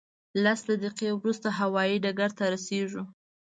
لس دقیقې وروسته هوایي ډګر ته رسېږو.